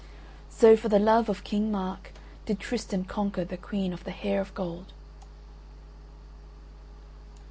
So, for the love of King Mark, did Tristan conquer the Queen of the Hair of Gold.